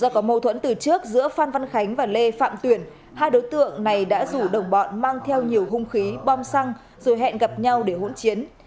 do có mâu thuẫn từ trước giữa phan văn khánh và lê phạm tuyển hai đối tượng này đã rủ đồng bọn mang theo nhiều hung khí bom xăng rồi hẹn gặp nhau để hỗn chiến